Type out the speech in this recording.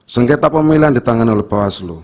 sengketa pemilihan ditangani oleh bawaslu